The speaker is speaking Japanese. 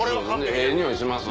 ええ匂いします。